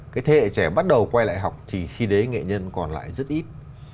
cái thế hệ trẻ bắt đầu quay lại học thì khi đấy nghệ nhân còn lại rất ít